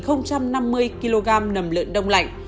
một năm mươi kg nầm lợn đông lạnh